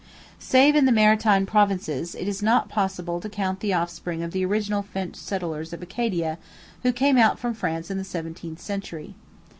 Save in the Maritime Provinces, it is not possible to count the offspring of the original French settlers of Acadia who came out from France in the seventeenth century.